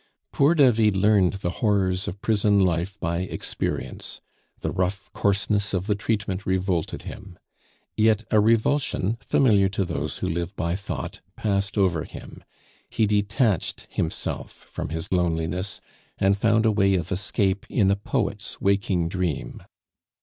Poor David learned the horrors of prison life by experience, the rough coarseness of the treatment revolted him. Yet a revulsion, familiar to those who live by thought, passed over him. He detached himself from his loneliness, and found a way of escape in a poet's waking dream.